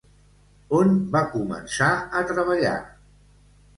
On va començar a treballar?